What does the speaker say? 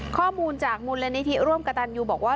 ข้อมูลจากมูลนิธิร่วมกระตันยูบอกว่า